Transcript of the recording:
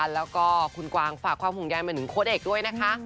แล้วก็คุณกวางฝากความห่วงใยมาถึงโค้ดเอกด้วยนะคะ